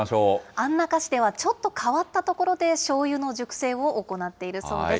安中市では、ちょっと変わった所でしょうゆの熟成を行っているそうです。